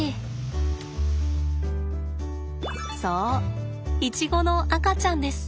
そうイチゴの赤ちゃんです。